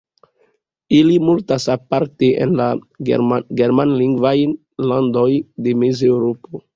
Ili multas aparte en la germanlingvaj landoj de Mezeŭropo.